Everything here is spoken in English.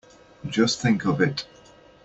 Just think of it!